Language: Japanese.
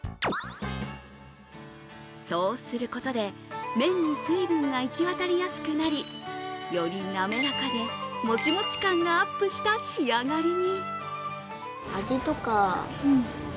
そうすることで麺に水分が行き渡りやすくなりより滑らかでもちもち感のあっぷした仕上がりに。